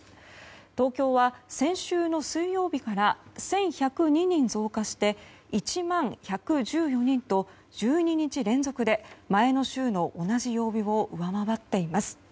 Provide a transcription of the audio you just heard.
東京は先週の水曜日から１１０２人増加して１万１１４人と１２日連続で前の週の同じ曜日を上回っています。